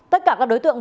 tất cả các đối tượng